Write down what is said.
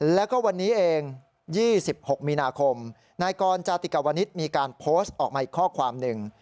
แล้วก็วันนี้เอง๒๖มีนาคมนายกรจาติกวนิษฐ์มีการโพสต์ออกมาอีกข้อความหนึ่ง